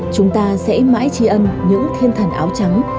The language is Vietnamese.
chúng ta sẽ mãi tri ân những thiên thần áo trắng